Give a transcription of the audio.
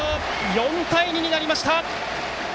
４対２になりました。